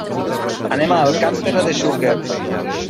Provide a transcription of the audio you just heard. Anem a Alcàntera de Xúquer.